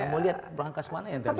mau lihat berangkas mana yang bisa dibuka